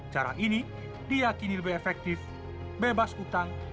cara ini diakini lebih efektif bebas utang